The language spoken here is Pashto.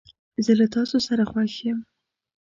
زه له تاسو سره خوښ یم.